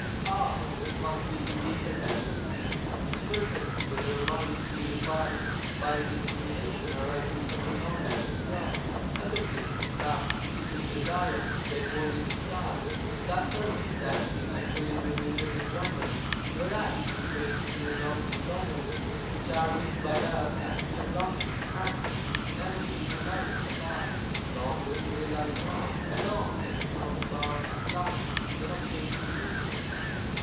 Ah! It must be indeed a difficult feat which persons, with their minds purified by the discrimination arising from the knowledge of Brahman, accomplish, in that, free from desire, they wholly discard that wealth which has been actually bringing them enjoyment; whereas we fail to renounce enjoyments which are reaped by us as mere longings and which we never did realize in the past, nor do we realize now, nor can we count upon as lasting when obtained (in future).